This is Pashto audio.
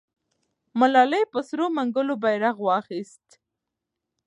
ملالۍ په سرو منګولو بیرغ واخیست.